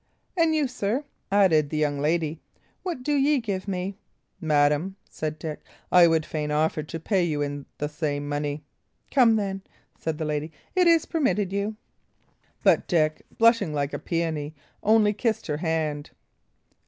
"And you, sir," added the young lady, "what do ye give me?" "Madam," said Dick, "I would fain offer to pay you in the same money." "Come, then," said the lady, "it is permitted you." But Dick, blushing like a peony, only kissed her hand.